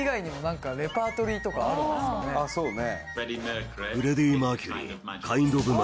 あっそうね